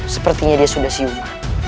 sepertinya dia sudah siubah